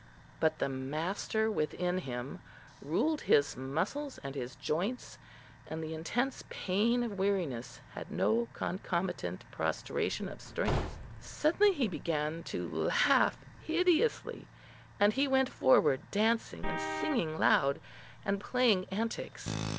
but the master within him ruled his muscles and his joints, and the intense pain of weariness had no concomitant prostration of strength. Suddenly he began to laugh hideously; and he went forward dancing and singing loud, and playing antics.